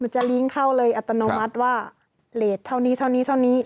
จะลิงก์เข้าเลยอัตโนมัติว่าเลสเท่านี้เท่านี้เท่านี้